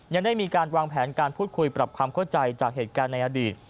ยังได้มีการวางแผนการพูดคุยปรับความเข้าใจจากเหตุการณ์ในอดีต